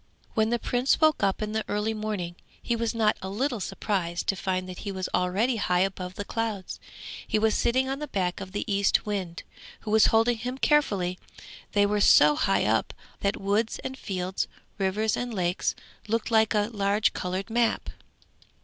When the Prince woke up in the early morning, he was not a little surprised to find that he was already high above the clouds. He was sitting on the back of the Eastwind, who was holding him carefully; they were so high up that woods and fields, rivers and lakes, looked like a large coloured map.